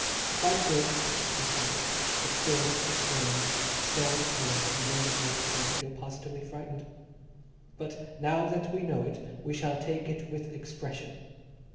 "Quite good," said Miss Meadows, but still in such a strange, stony tone that the younger girls began to feel positively frightened. "But now that we know it, we shall take it with expression.